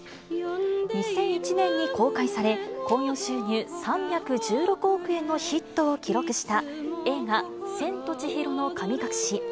２００１年に公開され、興行収入３１６億円のヒットを記録した映画、千と千尋の神隠し。